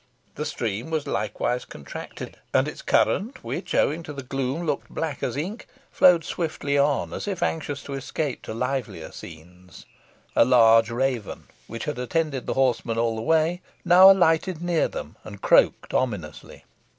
The stream was likewise contracted in its bed, and its current, which, owing to the gloom, looked black as ink, flowed swiftly on, as if anxious to escape to livelier scenes. A large raven, which had attended the horsemen all the way, now alighted near them, and croaked ominously.